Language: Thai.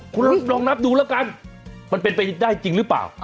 คุณลองนับดูแล้วกันมันเป็นไปได้จริงหรือเปล่า